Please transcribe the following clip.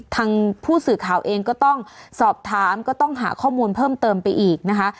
ทางผู้สื่อข่าวเองก็ต้องสอบถามก็ต้องหาข้อมูลเพิ่มเติมไปอีกนะคะ